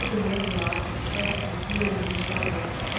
de Montglat expresses the feeling of his order.